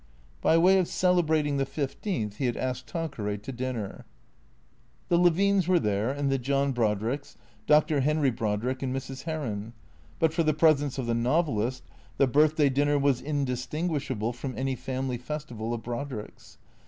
By way of celebrating the fifteenth he had asked Tanqueray to dinner. The Levines were there and the John Brodricks, Dr. Henry Brodrick and Mrs. Heron. But for the presence of the novelist, the birthday dinner was indistinguishable, from any family fes tival of Brodricks.